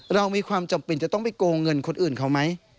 เรามีความจำเป็นจะต้องไปโกงเงินคนอื่นเขาไหม